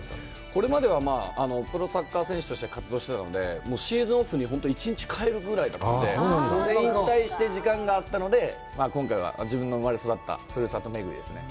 これまではプロサッカー選手として活動してたので、シーズンオフに本当に１日、帰るぐらいだったので、引退して時間があったので、今回は自分の生まれ育ったふるさとめぐりですね。